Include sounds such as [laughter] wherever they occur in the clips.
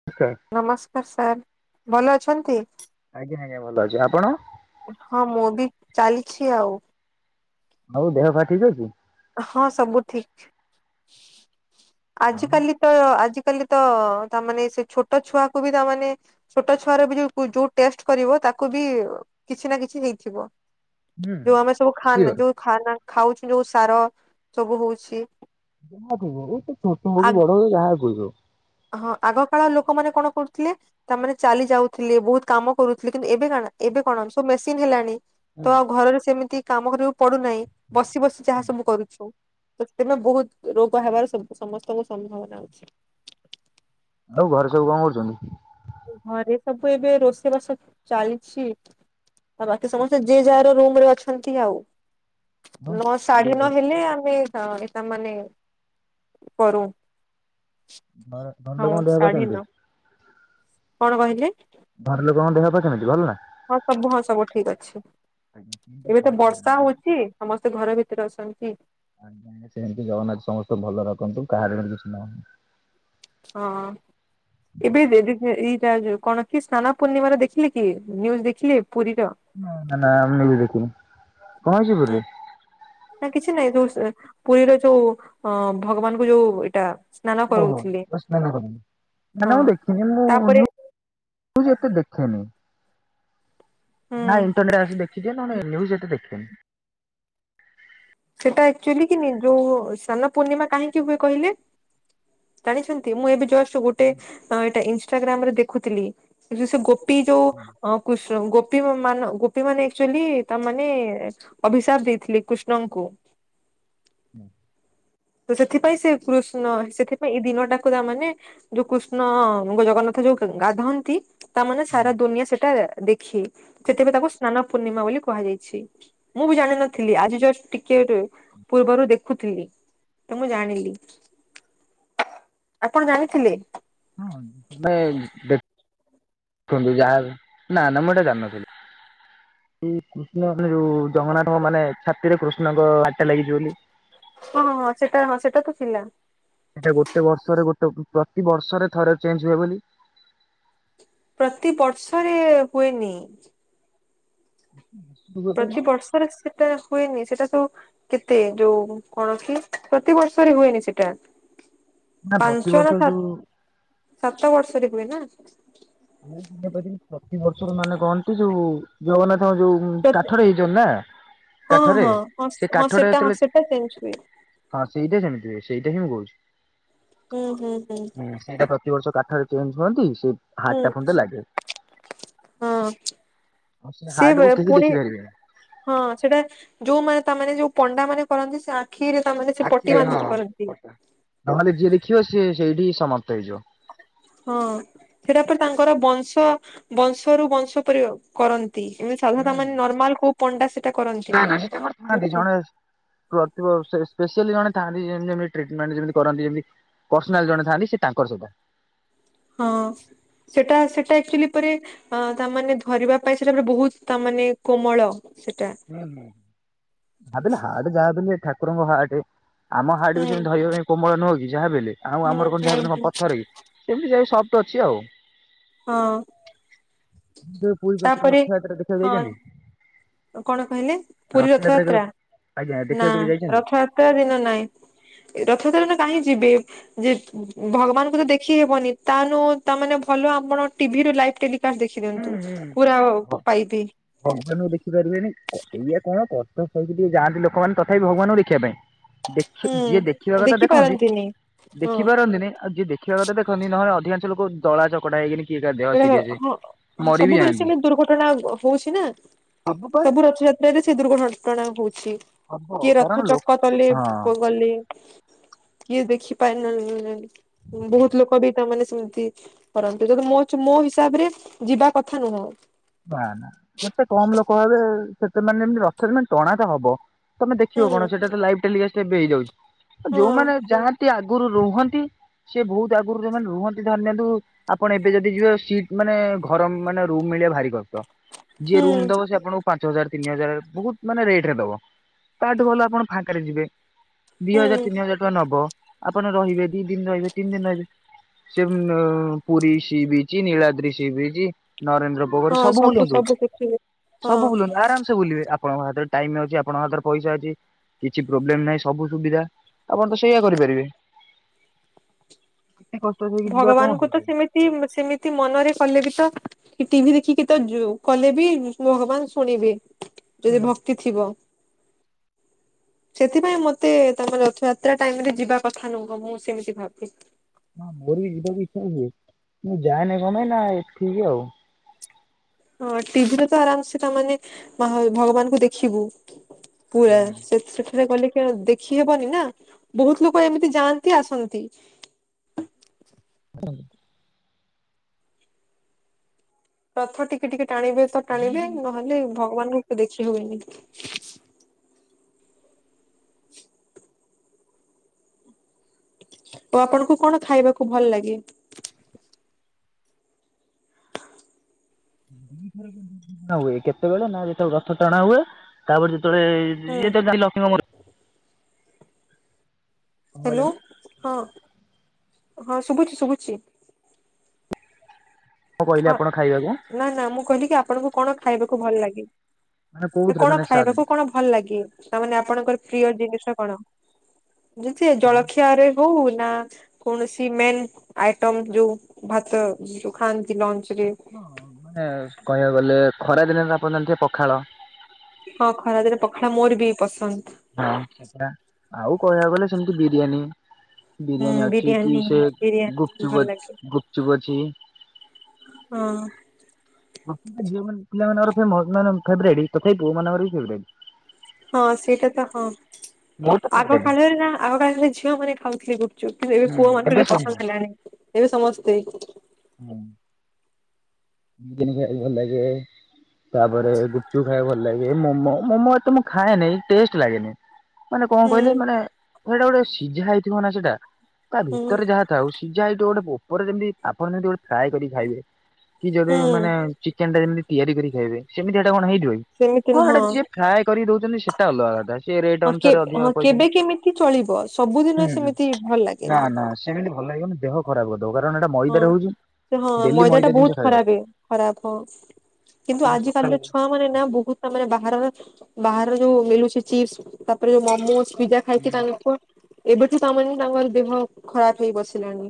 [unintelligible] ନମସ୍କାର ସାର୍। ଭଲ ଅଛନ୍ତି? ଆଜ୍ଞା ଆଜ୍ଞା ଭଲ ଅଛି। ଆପଣ? ହଁ ମୁଁ ବି ଚାଲିଛି ଆଉ। ଆଉ ଦେହ ପା ଠିକ୍ ଅଛି? ହଁ ସବୁ ଠିକ୍। ଆଉ ଆଜିକାଲି ତ ଆଜିକାଲି ତ ତାମାନେ ସେ ଛୋଟ ଛୁଆକୁୁ ବି ତାମାନେ ଛୋଟ ଛୁଆର ବି ଯୋଉ ଯୋଉ ଟେଷ୍ଟ କରିବ ତାକୁ ବି କିଛି ନା କିଛି ହେଇଥିବ। ହୁଁ ଯୋଉ ଆମେ ସବୁ ଖାନ୍ ସିଓର। ଯୋଉ ଖାନ୍ ଖାଉଚି ଯୋଉ ସାର ସବୁ ହଉଚି। [unintelligible] ଛୋଟ ହଉ କି ବଡ ହଉ ଯାହା କୁ ବି ହଉ। ହଁ ଆଗ କାଳ ଲୋକମାନେ କଣ କରୁଥିଲେ ତାମାନେ ଚାଲି ଯାଉଥିଲେ ବହୁତ କାମ କରୁଥିଲେ। କିନ୍ତୁ ଏବେ କଣ ଏବେ କଣ ସବୁ ମେସିନ ହେଲାଣି। ତ ଆଉ ଘରରେ ସେମିତି କାମ କରିବାକୁ ପଡୁନାହିଁ। ବସି ବସି ଯାହା ସବୁ କରୁଚୁ। ତ ସେଥିପାଇଁ ବହୁତ ରୋଗ ହେବାର ସମସ୍ତଙ୍କୁ ସମ୍ଭାବନା ଅଛି। ଆଉ ଘରେ ସବୁ କଣ କରୁଛନ୍ତି? ଘରେ ସବୁ ଏବେ ରୋଷେଇ ବାସ ଚାଲିଚି। ଆଉ ବାକି ସମସ୍ତେ ଯେ ଯାହାର ରୁମ ରେ ଅଛନ୍ତି ଆଉ। ହଁ ନଅ ଦେ ସାଢେ ନଅ ହେଲେ ଆମେ ଏଟା ମାନେ କରୁ। ହଁ [unintelligible] ସାଢେ ନଅ କେମିତି। କଣ କହିଲେ? ଘର ଲୋକଙ୍କ ଦେହ ପା କେମିତି ଭଲ ନା? ହଁ ସବୁ ହଁ ସବୁ ଠିକ୍ ଅଛି। ଏବେ ତ ବର୍ଷା ହଉଚି ସମସ୍ତେ ଘର ଭିତରେ ଅଛନ୍ତି। ଆଜ୍ଞା ଆଜ୍ଞା ସେମିତି ଜଗନ୍ନାଥ ସମସ୍ତେ ଭଲ ରଖନ୍ତୁ। କାହାର ଯେମିତି କିଛି ନ ହଉ। ହଁ। ଏବେ [unintelligible] ଏଇଟା ଯଉ କଣ କି ସ୍ନାନ ପୂର୍ଣ୍ଣିମା ର ଦେଖିଲେ କି ନ୍ୟୁଜ ଦେଖିଲେ ପୁରୀର? ନା ନା ମୁଁ ନିୟୁଜ୍ ଦେଖିନି। କଣ ହେଇଚି ପୁରୀ ହୁଁ। ରେ? ନା କିଛି ନାଇଁ ଯୋଉ ପୁରୀର ଯୋଉ ଅ ଭଗବାନଙ୍କୁ ଯୋଉ ଏଇଟା ସ୍ନାନ [unintelligible] କରଉଥିଲେ ନା ହଁ ନା ମୁଁ ଦେଖିନି ମୁଁ ତାପରେ ନିଉଜ ଏତେ ଦେଖେନି। ହୁଁ ନାଇଁ ଇଣ୍ଟରନେଟ ରେ ଆସି ଦେଖିଦିଏ ନ୍ୟୁଜ ଏତେ ଦେଖେନି। ସେଇଟା ଆକ୍ଚୁଆଲି କିନି ଯୋଉ ସାନ ପୂର୍ଣିମା କାହିଁକି ହୁଏ କହିଲେ? ଜାଣିଛନ୍ତି ମୁଁ ଏବେ ଜଷ୍ଟ ଗୋଟେ ଏଇଟା ଇନଷ୍ଟାଗ୍ରାମ ରେ ଦେଖୁଥିଲି। ଏ ଯେ ସେ ଗୋପୀ ଯଉ ଅଁ କୃଷ୍ଣ ଙ୍କୁ ଗୋପୀ ମାନ ଗୋପୀ ମାନେ ଆକଚୁଆଲି ତାମାନେ ଅଭିସାପ ଦେଇଥିଲି କୃଷ୍ଣଙ୍କୁ। ହୁଁ। ତ ସେଥିପାଇଁ ସେ କୃଷ୍ଣ ସେଥିପାଇଁ ଏଇ ଦିନଟାକୁ ତା ମାନେ ଯୋଉ କୃଷ୍ଣଙ୍କ ଜଗନ୍ନାଥ ଯୋଉ ଗାଧାନ୍ତି ତା ମାନେ ଆଜ୍ଞା। ସାରା ଦୁନିଆ ସେଟା ଦେଖେ। ସେଥିପାଇଁ ତାକୁ ସ୍ନାନ ପୂର୍ଣ୍ଣିମା ବୋଲି କୁହାଯାଇଛି। ମୁଁ ବି ଜାଣିିନଥିଲି ଆଜି ଜଷ୍ଟ ଟିକେ ପୂର୍ବରୁ ଦେଖୁଥିଲି। ତ ମୁଁ ଜାଣିଲି, ଆପଣ ଜାଣିଥିଲେ? ହଁ [unintelligible] [unintelligible] ନା ନା ମୁଁ ଏଇଟା ଜାଣନଥିଲି। ସେଇ କୃଷ୍ଣ ମାନେ ଯୋଉ ଜଗନ୍ନାଥଙ୍କ ମାନେ ଛାତିରେ କୃଷ୍ଣଙ୍କ ହାର୍ଟଟା ଲାଗିଛି ବୋଲି। ହଁଁ ସେଟା ହଁ ସେଟା ତ ଥିଲା। ସେଇଟା ଗୋଟେ ବର୍ଷରେ ଗୋଟେ ପ୍ରତିିବର୍ଷରେ ଥରେ ଚେଞ୍ଜ୍ ହୁଏ ବୋଲି। ପ୍ରତି ବର୍ଷରେ ହୁଏନି। [inaudible] ପ୍ରତିିବର୍ଷରେ ସେଟା ହୁଏନି ସେଟା ତ କେତେ ଯୋଉ କଣ କି ପ୍ରତିବର୍ଷରେ ହୁଏନି ସେଟା। ନା ପାଞ୍ଚ ପ୍ରତିବର୍ଷ ନା ସାତ୍ ଯୋଉ ସାତ ବର୍ଷରେ ହୁଏ ନା। ମୁଁ [inaudible] ପ୍ରତିବର୍ଷ ମାନେ କହନ୍ତି ଯୋଉ ଜଗନ୍ନାଥଙ୍କ ଯୋଉ ଉଁ କାଠରେ ହେଇଛନ୍ତି ନା ହଁ କାଠରେ ହଁ ହଁ ସେ ହଁ କାଠଟା ସେଟା ହଁ ଯେତେବେଳେ ସେଟା ଚେଞ୍ଜ ହୁଏ ହଁ ସେଇଟା ସେମିତି ହୁଏ ସେଇଟା ହିଁ ମୁଁ କହୁଛି। ହୁଁ-ହୁଁ-ହୁଁ। ହୁଁ ସେଇଟା ପ୍ରତିବର୍ଷ କାଠରେ ଚେଞ୍ଜ୍ ହୁଅନ୍ତି ସେ ହୁଁ ହାର୍ଟଟା ପୁଣି ତ ଲାଗେ। ହଁ, ଆଉ ସେ ହାର୍ଟକୁ କେହି [unintelligible] ଦେଖିପାରିବେନି ହଁ ସେଟା ଯୋଉମାନେ ତା ମାନେ ଯୋଉ ପଣ୍ଡାମାନେ କରନ୍ତି ସା ଆଖିରେ ତା ମାନେ ସେ ପଟି ବାନ୍ଧିକି କରନ୍ତି। ତାହେଲେ ଯିଏ ଦେଖିବ ସିଏ ସେଇଠି ସମାପ୍ତ ହେଇଯିବ। ହଁ ସେଟା ତ ତାଙ୍କର ବଂଶ ବଂଶରୁ ବଂଶ ପରି ଆଉ କରନ୍। ନ୍ତି ଏମିତି ସାଧାରଣ ମାନେ ନର୍ମାଲ କୋଉ ପଣ୍ଡା ସେଟା କରନ୍ତିନି, ବୁଝୁଛ। କରୁଥିବ ଆଉ ସେ ସ୍ପେସିୟାଲି ଜଣେ ଥାନ୍ତି ଯେମିତି ଟ୍ରିଟମେଣ୍ଟ୍ ଯେମିତି କରନ୍ତି ଯେମିତି ପର୍ସନାଲ ଜଣେ ଥାନ୍ତି ସେ ତାଙ୍କର ସେଇଟା। ହଁ ସେଟା ସେଟା ଆକ୍ଚୁଆଲି ପରେ ହଁ ତା ମାନେ ଧରିବା ପାଇଁ ସେଟା [inaudible] ବହୁତ ତା ମାନେ କୋମଳ ସେଟା। ହୁଁ ହୁଁ, ଯାହାବିହେଲେ ହାର୍ଟ ଯାହା ବି ହେଲେ ଠାକୁରଙ୍କ ହାର୍ଟେ। ଆମ ହାର୍ଟ ହୁଁ ବି ସେମତି ଧରିବା ପାଇଁ କୋମଳ ନୁହଁ କି ଯାହା ବି ହେଲେ ଆଉ ହୁଁ ଆମର କଣ ହୁଁ ଯାହା ବି ହେଲେ କଣ ହୁଁ ପଥର କି। ସେମିତି ଯୋଉ ସଫ୍ଟ ଅଛି ଆଉ। ହଁ। କେବେ ପୁରୀ [inaudible] ତାପରେ ରଥଯାତ୍ରା ଦେଖିବାକୁ ହଁ ଯାଇଛନ୍ତି? କଣ କହିଲେ, ପୁରୀ ରଥଯାତ୍ରା? ଆଜ୍ଞା ନା ଦେଖିବାକୁ କେବେ ଯାଇଛନ୍ତି? ରଥଯାତ୍ରା ଦିନ ନାଇଁ। ରଥଟଣା ଦିନ କାହିଁକି ଯିବି? ଯେହେତୁ ଭଗବାନଙ୍କୁ ତ ଦେଖି ହେବନି ତାନୁ ତା ମାନେ ଭଲ ଆପଣ ଟିଭିରେ ଲାଇଭ୍ ଟେଲି ତା ଦେଖି ଦିଅନ୍ତୁ ପୁରା ପାଇପି। ଭଗବାନଙ୍କୁ ଦେଖିପାରିବେନି, ଇଏ କଣ କଷ୍ଟ ସହିକି ଟିକେ ଯାଆନ୍ତି ଲୋକମାନେ ତଥାପି ଭଗବାନଙ୍କୁ ଦେଖିବା ପାଇଁ। [inaudible] ଦେଖି ଯିଏ ଦେଖିବା କଥା ଦେଖି ଦେଖନ୍ତି ପାରନ୍ତିନି ହଁ ଦେଖିପାରନ୍ତିନି ଆଉ ଯିଏ ଦେ ଦେଖିବା କଥା ଦେଖନ୍ତି ନହେଲେ ଅଧିକାଂଶ ଲୋକ ଦଳାଚକଟା ହେଇକିନି କିଏ‌ କାହା ଦେହ ସେଟା ସିରିୟସେ। ହଁ ସବୁବେଲେ ସେମିତି ଦୁର୍ଘଟଣା ହ ହଉଛି ନା, ସବୁ ରଥଯାତ୍ [inaudible] ସେ ଦୁର୍ଘଘଟଣା ହଉଛି ହବ କିଏ କାରଣ ରଥ ଲୋ ଚକ ତଲେ ହଁ। ପଅ ଗଲେ। କିଏ ଦେଖିପାରିଲାନି। ବହୁତ ଲୋକ ବି ତା ମାନେ ସେମିତି କରନ୍ତି ଯଦି ମୋ ତ ମୋ ହିସାବରେ ଯିବା କଥା ନୁହଁ। ନା ନା, ଯେତେ କମ୍ ଲୋକ ହେବେ ସେତେ ମାନେ ଏମିତି ରଥରେ ମାନେ ଟଣା ତ ହବ। ତମେ ଦେଖିବ ହୁଁ କଣ ସେଇଟା ତ ଲାଇଭ୍ ଟେଲିକାଷ୍ଟ ଏବେ ହେଇଯାଉଛି, ହଁ ଯୋଉମାନେ ଯାଆନ୍ତି ସେ ଆଗରୁ ରୁହନ୍ତି ସେ ବହୁତ ଆଗରୁ ଯୋମାନେ ରୁହନ୍ତି ଧରି ନିଅନ୍ତୁ ଆପଣ ଏବେ ଯଦି ଯିବେ ସିଟ ମାନେ ଘର ମାନେ ରୁମ ମିଳିବା ଭାରି କଷ୍ଟ ଯିଏ ହୁଁ ରୁମ ଦବ ସେ ଆପଣକୁ ପାଞ୍ଚ ହଜାର ତିନି ହଜାର ବହୁତ ମାନେ ରେଟରେ ଦବ। ତାଠୁ ଭଲ ଆପଣ ଫାଙ୍କରେ ଯିବେ। ଦି ହଜାର ହୁଁ ତିନି ହଜାର ଟଙ୍କା ନବ ଆପଣ ରହିବେ ଦି ଦିନ ରହିବେ ତିନି ଦିନ ରହିବେ। ସେ ପୁରୀ ସିବିଚି ନୀଳାଦ୍ରି ସିବିିଚି ନରେନ୍ଦ୍ର ପୋ ହଁ ସବୁ ବୁଲନ୍ତୁ ସବୁ ଶିଖିବେ। ହଁ ସବୁ ବୁଲନ୍ତୁ ଆରାମ୍ ବୁଲିବେ ଆପଣଙ୍କ ହତରେ ଟାଇମ ଅଛି ଆପଣଙ୍କ ହାତରେ ପଇସା ଅଛି। କିଛି ପ୍ରୋବ୍ଲେମ ନାହିଁ ସବୁ ସୁବିଧା ଆପଣ ତ ସେଇୟଆ କରିପାରିବେ। ଏତେ କଷ୍ଟ ହେକି ଯିବା କଣ ଦରକାର? ସି ସେମିତି ମନରେ କଲେ ବି ତ କି ଟିଭି ଦେଖିକି ତ ଜୁ କଲେ ବି ଭଗବାନ ଶୁଣିବେ ଯଦି ଭ ତି ଥିବ। ସେଥିପାଇଁ ମତେ ତାଙ୍କ ରଥଯାତ୍ରା ଟାଇମ ରେ ଯିବା କଥା ନୁହଁ ମୁଁ ସେମିତି ଭାବେ। ହଁ ମୋର ବି ଯିବା କିଛ ହୁଏ ମୁଁ ଯାଏନାଇ କ ପାଇଁ ନା ଏଠି ଆଉ। ହଁ ଟିଭିରେ ତ ଆରାମସ ତାମାନେେ ଭଗବାନଙ୍କୁ ଦେଖିବୁ। ପୁରା ସେ ସେଠାରେ ଗଲେ ତ ଦେଖିହବନି ନା ବହୁତ ଲୋକ ଏମିତି ଯାଆନ୍ତି ଆସନ୍ତି। ହ। ରଥ ଟିକେ ଟିକେ ଟାଣିବେ ତ ଦି ଟାଣିବେ ଦିନ ନହେଲେ ଭଗବାନଙ୍କୁ ଦେଖି ହୁଏନି। [inaudible] ତ ଆପଣଙ୍କୁ କଣ ଖାଇବାକୁ ଭଲ ଲାଗେ? ଦି ଥର [unintelligible] ହୁଏ କେତେବେଳେ ନା ଯେତେବେଳେ ରଥ ଟଣା ହୁଏ। ତାପରେ ଯେତେବେଳେ ହୁଁ ଇଏ ତ ଯାଇ ଲକ୍ଷ୍ମଙ୍କ ମ ହଲୋ ମନ୍ଦିର। ହଁ ହଁ ଶୁଭୁଚି ଶୁଭୁଚି। କ କହିଲେ ହଁ। ଆପଣ ଖାଇବାକୁ ନା ନା ମୁଁ କହିଲି କି ଆପଣଙ୍କୁ କଣ ଖାଇବାକୁ ଭଲ ଲାଗେ? ମାନେ ସେ କୋଉଥିରେ କଣ ମାନେ ସା ଖାଇବାକୁ କଣ ଭଲ ଲାଗେ? ତାମାନେ ଆପଣଙ୍କର ପ୍ରିୟ ଜିନିଷ କଣ ଯେଥି ଜଳଖିଆରେ ହଉ ନା କୌଣସି ମେନ୍ ଆଇଟମ ଯୋଉ ଭାତ ଯୋଉ ଖାଆନ୍ତି ନ୍ତି ଲଞ୍ଚ ରେ ହଁ ମାନେ କହିବାକୁ ଗଲେ ଖରା ଦିନ ଆପଣ ଜଣିଥିବେ ପଖାଳ। ହଁ ଖରାଦିନ ପଖାଳ ମୋର ବି ପସନ୍ଦ। ହଁ ସେଟା ଆଉ କହିବାକୁ ଗଲେ ସେମତି ବିରିୟାନୀ। ହୁଁ ବିରିୟାନୀ ଅଛି କି ବିରିୟାନୀ ସେ ବିରିୟାନୀ ଭଲ ଗୁପଚୁପ ଲାଗେ ଅ ଗୁପଚୁପ ଅଛି। ହଁ। ଗୁପ ଝିଅ ମାନ ପିଲମାନଙ୍କର ଫେମ ନାନା ଫେବରାଇଟ୍ ତଥାପି ପୁଅ ମାନଙ୍କର ଭି ଫେବରାଇଟ୍। ହଁ ସେଇଟା ତ ହଁ ମୋର ତ ଆଗ ଫେବରାଇଟ୍ କାଳରେ ନା ଆଗ କାଳରେ ଝିଅ ମାନେ ଖାଉଥିଲେ ଗୁପ ଚୁପ ଏବେ ହୁଁ ପୁଅ ମାନଙ୍କୁ ଏବେ ର ସବୁ ପସନ୍ଦ ହେଲାଣି ଏବେ ସମସ୍ତେ ହୁଁ। ଗୁନି ଖାଇବାକୁ ଭଲ ଲାଗେ। ତାପରେ ଗୁପଚୁପ ଖାଇବାକୁ ଭଲ ଲାଗେ। ମ ମୋମୋ, ମୋମୋ ଏତ ମୁଁ ଖାଏନିଁ ଟେଷ୍ଟ ଲାଗେନି ମାନେ କଣ କହିଲେ ମାନେ ସେଇଟା ଗୋଟେ ସିଝା ହେଇଥିବ ନା ସେଇଟା। ତା ହୁଁ ଭିତରେ ଯାହା ଥାଉ ସିଝା ହେଇଥିବ ଗୋଟେ ଉପରେ ଯେମିତି ଆପଣ ଜେମତି ଗୋଟେ ଫ୍ରାଏ କରିି ଖାଇବେ। କି ଯଦି ହୁଁ ମାନେ ଚିକେନ ଟା ଯେମିତି ତିଆରି କରି ଖାଇବେ ସେମତି ଏଇଟା କଣ ହେଇଯିବ କି? ସେମିତି ହଁ ନୁହଁ। ସେଇଟା ଯିଏ ଫ୍ରାଏ କରି ଦଉଚନ୍ତି ସେଇଟା ଅଲଗା କଥା ସିଏ ରେଟ୍ ଅନୁସାରେ ଅଧିକ ପଇସ ନଉ କି ଚଳିବ ସବୁଦିନ ସେମିତି ଭଲ ନା ଲାଗେନି। ନା ସେମିତି ଭଲ ଲାଗିବନି। ଦେହ ଖରାପ କରିଦବ କାରଣ ଏଟା ମଇଦା ହଉଛି ଡେଲି ମଇଦା ଜିନିଷ ଖାଇବା କଥା। ଖରାବେ ଖରାପ ହ କିନ୍ତୁ ଆଜି କାଲିର ଛୁଆ ର ନା ବହୁେତ ସେମାନେ ଯୋଉ ମିଳୁଚି ଚିପସ୍ ତାପରେ ଯୋ ମୋମୋସ ପିଜା ଖାଇକି ହୁଁ। ତାଙ୍କୁ ଏବେଠୁ ତାମାନେ ତାଙ୍କର ଦେହ ଖରାପ ହେଇ ବସିଲାଣି।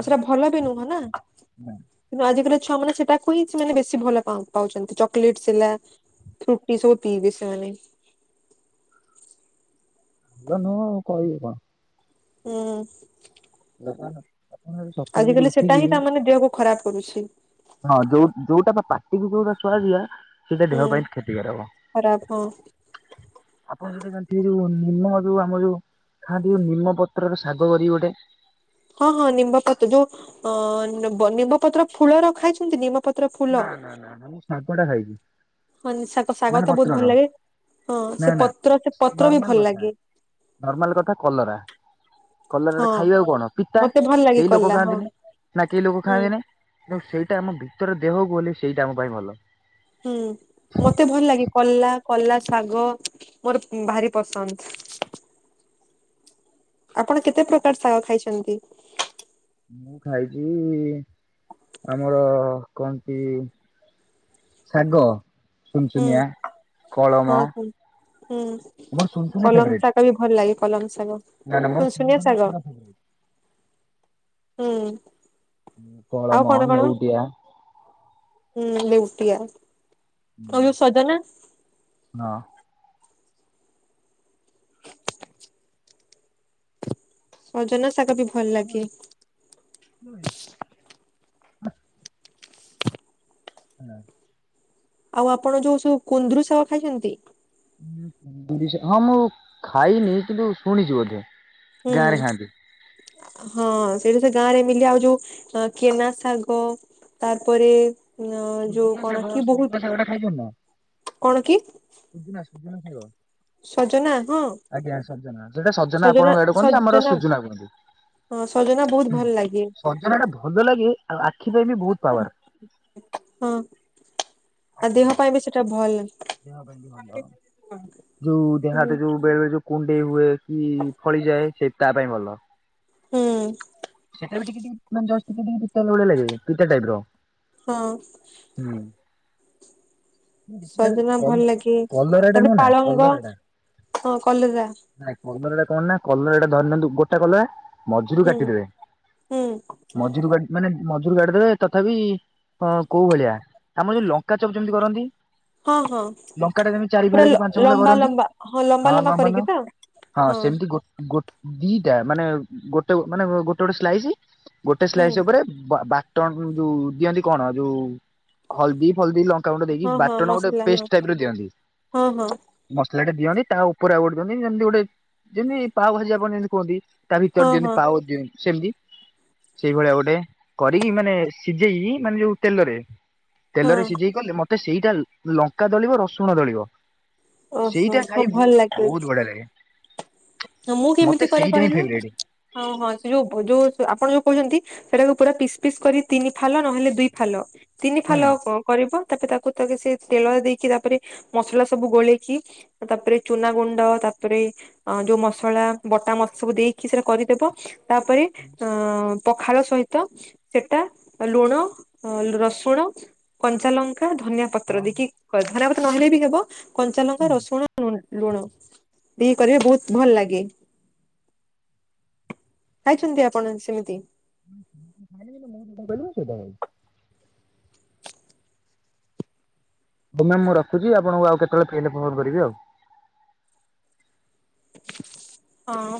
ଆଉ ସେଟା ଭଲ ବି ନୁହଁ ନା। କିନ୍ତୁ ଆଜିକାଲି ଛୁଆ ମାନେ ସେଟାକୁ ହିଁ ସେମାନେ ବେଶୀ ଭଲ ପା ପାଉଛନ୍ତି ଚକୋଲେଟସ୍ ହେଲା। ଫୁଟି ସବୁ ପିଇବେ ସେମାନେ। ଭଲ ନୁହଁ ଆଉ କହିବି କଣ? ହୁଁ। [unintelligible] ସକାଳୁ ଆଜ ଯଦି କାଲି ସେଟା ଉଠିକି ହିଁ ତା ମାନେ ଦେହକୁ ଖରାପ କରୁଛି। ହଁ ଯୋଉ ଯୋଉଟା ବା ପାଟିକୁ ଯୋଉଟା ଶୁଆଦିଆ ସେଟା ହୁଁ ଦେହ ପାଇଁ କ୍ଷତି କାର ହବ। ଖରାପ ହଁ ଆପଣ ଯଦି ଜାଣିଥିବେ ଯୋଉ ନିମ ଯୋଉ ଆମ ଯୋଉ ଖାଆନ୍ତି ନିମପତ୍ରର ଶାଗ କରିବ ଗୋଟେ। ହଁ ହଁ ନିମ୍ବପତ୍ର ଯୋଉ ଅ ନିମ୍ବପତ୍ର ଫୁଲଟା ଖାଇଚନ୍ତି କି ନିମ୍ବପତ୍ର? ନା ନା ନା ମୁଁ ସାଗ ଟା ଖାଇଚି। ହଁ ଶାଗ ଶାଗ ତ ବହୁତ ଭଲ ଲାଗେ, ହଁ ନା ସେ ନା ପତ୍ର ସେ ପତ୍ର ବି ନର୍ମାଲ ଭଲ କଥା ଲାଗେ। ନର୍ମାଲ କଥା କଲରା। କଲଟା ହଁ ଖାଇବାକୁ କଣ ପିତା ମତେ ଭଲ ଲାଗେ କେହି ଲୋକ କଲା ହଁ ଖାଆନ୍ତିନି, ନା କେହି ଲୋକ ହୁଁ ଖାଆନ୍ତିନି। କିନ୍ତୁ ସେଇଟା ଆମ ଭିତରେ ଦେହକୁ ଗଲେ ସେଇଟା ଆମ ପାଇଁ ଭଲ। ହୁଁ ମତେ ଭଲ ଲାଗେ କଲା କଲା ଶାଗ। ମୋର ଭାରି ପସନ୍ଦ। ଆପଣ କେତେ ପ୍ରକାର ଶାଗ ଖାଇଚନ୍ତି? ମୁଁ ଖାଇଚି ଆମର କନ୍ତି ଶାଗ। ସୁନ୍ ହୁଁ ସୁନିଆ, ହଁ କଳମ, ହୁଁ ମୋର ସୁନ୍ ସୁନିଆ ଫେବ୍ରାଇଟ୍। ସେଟା ବି ଭଲ ଲାଗେ କଲମ ସାଗ, ଶୁନ ସୁନ୍ ସୁନିଆ ସାଗ। ହୁଁ। ହୁଁ। ଆଉ କଣ ବାଣ ଲେଉଟିଆ। କମ୍ ସଜନା। ହଁ। ସଜନା ଶାଗ ବି ଭଲ ଲାଗେ। ହୁଁ। ହୁଁ। ଆଉ ଆପଣ ଯୋଉ ସବୁ କୁନ୍ଦୁରୁ ଶାଗ ଖାଇଚନ୍ତି? ହଁ ମୁଁ ଖାଇନି କିନ୍ତୁ ଶୁଣିଛି ବୋଧେ ହୁଁ ଗାଁ ରେ ଖାଆନ୍ତି। ହଁ ସେଇଠି ସେ ଗାଁ ରେ ମିଲେ ଆଉ ଯୋଉ କେନା ଶାଗ। ତାରପରେ ଅ ଯୋଉ ସୁଜୁନା କଣ ଶାଗ କି ବହୁତ୍ ସୁଜୁନା ଶାଗ ଟା ଖାଇଛନ୍ତି ନା କଣ କି? ସୁଜୁନା ସୁଜୁନା ସାଗ। ସଜନା ହଁ ଆଜ୍ଞା ସଜନା ସେଟା ସଜନା ଆପଣଙ୍କ ଆଡେ କୁହନ୍ତି, ଆମର ସୁଜୁନା କୁହନ୍ତି। ହଁ ସଜନା ବହୁତ ଭଲ ଲାଗେ। ସଜନା ଟା ଭଲ ଲାଗେ ଆଉ ଆଖି ପାଇଁ ବି ବହୁତ ପାୱାର। ହଁ ଆଉ ଆଖି ଦେହ ପାଇଁ ବି ସେଇଟା ଭଲ୍। ଦେହ ପାଇଁ ବି ଭଲ, ଯୋଉ ହୁଁ ଦେହହାତ ଯୋଉ ବେଳେ ଯୋଉ କୁଣ୍ଡେଇ ହୁଏ କି ଫଳିଯାଏ ସେ ତା ପାଇଁ ଭଲ। ହୁଁ ସେଟା ବି ଟିକେ ଟିକେ ମନେ ଜଷ୍ଟ ଟିକେ ଟିକେ ପିତା ଭଳିଆ ଲାଗିବ, ପିତା ଟାଇପ୍ ର। ହଁ। ହୁଁ। ସଜନା ଭଲ କଲେ ଲାଗେ କଲରାଟା ତାପରେ ନୁହ ନା ପାଳଙ୍ଗ କଲରାଟା। ହଁ କଲରା ନାଇଁ କଲରାଟା କଣ ନା କଲରାଟା ଧରି ନିଅନ୍ତୁ ଗୋଟା କଲରା ମଝିରୁ ହୁଁ କାଟିଦେବେ, ହୁଁ ମଝିରୁ କାଟ୍ ମାନେ ମଝିରୁ କାଟି ଦେବେ ତଥାପି ଅ କୋଉ ଭଳିଆ ଆମର ଯୋଉ ଲଙ୍କା ଚପ ଯେମିତି କରନ୍ତି। ହଉ ହଉ। ଲଙ୍କା ଟା ଯେମିତି ଚାରି ଫାଳ କି ପାଞ୍ଚ ଫାଳ କରନ୍ତି ହଁ ଲମ୍ବା ଲମ୍ବ ହଁ ସେମିତି ଗୋ ଗୋ ଦିଟା ମାନେ ଗୋଟେ ମାନେ ଗୋଟେ ଗୋଟେ ସ୍ଲାଇସି ଗୋଟେ ହୁଁ ସ୍ଲାଇସ୍ ଉପରେ ବାଟଣ ଯୋଉ ଦିଅନ୍ତି କଣ ଯୋଉ ହଳଦୀ ଫଲଦି ଲ ଲଙ୍କା ଗୁଣ୍ଡ ଦେଇକି ହଁ ହଁ ବାଟଣ ଗୋଟେ ମସଲା ହଁ ପେଷ୍ଟ ଟାଇପ ର ଦିଅନ୍ତି। ହଁ ହଁ ମସଲା ଟା ଦିଅନ୍ତି ତା ଉପରେ ଆଉ ଗୋଟେ ଦିଅନ୍ତି ଯେମିତି ଗୋଟେ ଯେମିତି ପାଓ ଭାଜି ଆପଣ ଯେମିତି କୁହନ୍ତି। ତା ହଁ ଭିତରେ ଯେମତି ହଁ ପାଓ ଦିଅନ୍ତି ସେମତି ସେଇଭଳିଆ ଗୋଟେ କରିକି ମାନେ ସିଝେଇକି ମାନେ ଯୋଉ ତେଲରେ ହଁ ତେଲରେ ସିଝେଇ କଲେ ମତେ ସେଇଟା ଲଙ୍କା ଦଳିବ ରସୁଣ ଦଳିବ। ଓହୋ ସେଇଟା ହଁ ଖାଇ ଭଲ ବ ବହୁତ ବଢିଆ ଲାଗେ। ହ ମୁଁ ମତେ କେମିତି କରେ ସେଇଟା ହିଁ କହିଲେ ଫେବରାଇଟ୍। ହଁ ହଁ ସେ ଯୋଉ ଯୋଉ ଆପଣ ଯୋଉ କହୁଛନ୍ତି। ସେଟାକୁ ପୁରା ପିସ୍ ପିସ୍ କରି ତିନି ଫାଲ ନହେଲେ ଦୁଇ ଫାଲ ତିନି ଫାଲ ଉ କ କରିବ ତାପରେ ତାକୁ ତା ସେ ତେଲ ଦେଇକି ତାପରେ ମସଲା ସବୁ ଗୋଳେଇକି। ତାପରେ ଚୁନା ଗୁଣ୍ଡ ତାପରେ ଯୋଉ ମସ ମସଳା ବଟା ମତ ସବୁ ଦେଇକି ସେଟା କରିଦେବ। ତାପରେ ଅ ପଖାଳ ସହିତ ସେଟା ଲୁଣ ରସୁଣ କଞ୍ଚା ଲଙ୍କା ଧନିଆ ପତ୍ର ଦେଇକି କର ଧନିଆ ପତ୍ର ନହେଲେ ବି ହେବ କଞ୍ଚାଲଙ୍କା ରସୁଣୁ ଲୁନ। ଲୁଣ ବି କରିବେ ବହୁତ ଭଲ ଲାଗେ। ଖାଇଛନ୍ତି ଆପଣ ସେମିତି। [unintelligible] ହ ମ୍ୟାମ ମୁଁ ରଖୁଚି ଆପଣଙ୍କୁ ଆଉ କେତେବେଳେ ଫେରିଲେ ଫୋନ କରିବି ଆଉ। ହଁ।